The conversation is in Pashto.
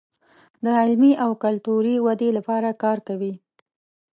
د علمي او کلتوري ودې لپاره کار کوي.